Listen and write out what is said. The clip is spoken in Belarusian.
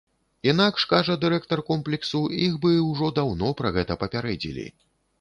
Інакш, кажа дырэктар комплексу, іх бы ўжо даўно пра гэта папярэдзілі.